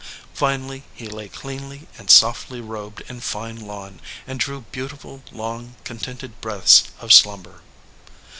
Finally he lay cleanly and softly robed in fine lawn, and drew beautiful, long, contented breaths of slumber.